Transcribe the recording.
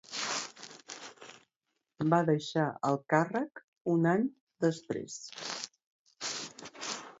Va deixar el càrrec un any després.